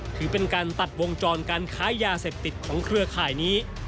ถือเป็นการตัดวงจรการค้ายาเสพติดของเครือข่ายนี้